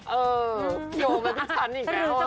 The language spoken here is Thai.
เออโยมมาทุกชั้นอีกแล้วว่ะ